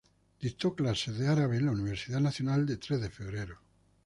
Dictó clases de idioma árabe en la Universidad Nacional de Tres de Febrero.